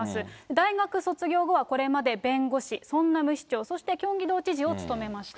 大学卒業後はこれまで弁護士、ソンナム市長、そしてキョンギ道知事を務めました。